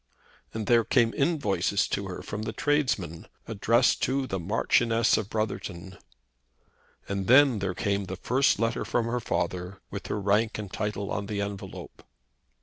And there came invoices to her from the tradesmen, addressed to the Marchioness of Brotherton. And then there came the first letter from her father with her rank and title on the envelope.